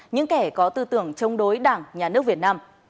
những kẻ có tư tưởng chống đối đảng nhà nước việt nam